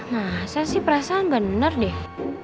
masa sih perasaan gak bener deh